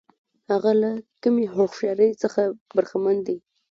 هغه له کمې هوښیارتیا څخه برخمن دی.